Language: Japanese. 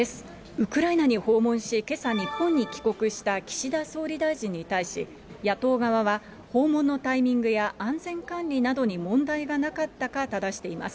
ウクライナに訪問し、けさ日本に帰国した岸田総理大臣に対し、野党側は訪問のタイミングや安全管理などに問題がなかったかただしています。